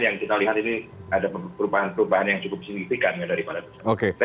yang kita lihat ini ada perubahan perubahan yang cukup signifikan daripada perusahaan